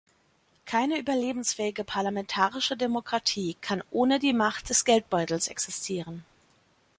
Keine überlebensfähige parlamentarische Demokratie kann ohne die Macht des Geldbeutels existieren.